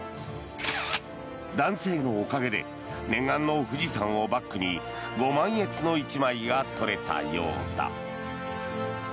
男性のおかげで念願の富士山をバックにご満悦の１枚が撮れたようだ。